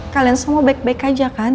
kalian semua baik baik aja kan